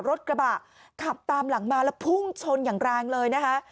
รถกระบะขับตามหลังมาแล้วพุ่งชนอย่างแรงเลยนะคะ